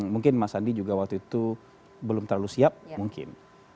mungkin mas andi juga waktu itu belum terlalu siap mungkin